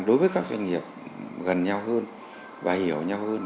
đối với các doanh nghiệp gần nhau hơn và hiểu nhau hơn